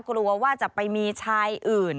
กลัวว่าจะไปมีชายอื่น